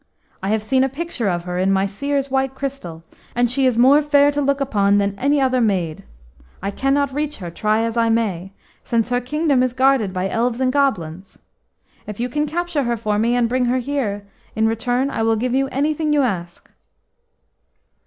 I have seen a picture of her in my Seer's white crystal, and she is more fair to look upon than any other maid. I cannot reach her, try as I may, since her kingdom is guarded by elves and goblins. If you can capture her for me and bring her here, in return I will give you anything you ask."